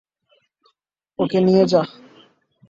ওকে নিয়ে যা।